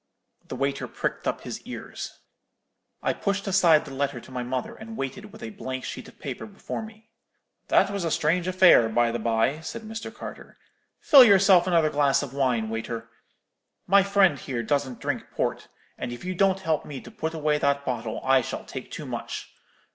"The waiter pricked up his ears. I pushed aside the letter to my mother, and waited with a blank sheet of paper before me. "'That was a strange affair, by the bye,' said Mr. Carter. 'Fill yourself another glass of wine, waiter; my friend here doesn't drink port; and if you don't help me to put away that bottle, I shall take too much.